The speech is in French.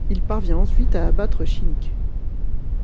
Il parvient ensuite à abattre Chink.